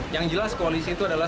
yang jelas koalisi itu adalah